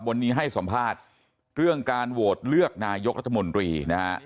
วันนี้ให้สัมภาษณ์เรื่องการโหวตเลือกนายกรัฐมนตรีนะฮะ